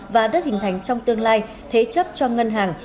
và đất hình thành trong tương lai thế chấp cho ngân hàng